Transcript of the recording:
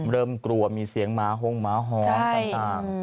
เริ่มกลัวมีเสียงหมาหงหมาหอนต่าง